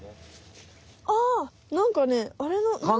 あなんかねあれの。